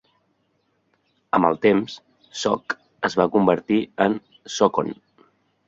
Amb el temps, "Soke" es va convertir en "Socon".